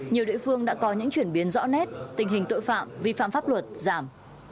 nhiều địa phương đã có những chuyển biến rõ nét tình hình tội phạm vi phạm pháp luật giảm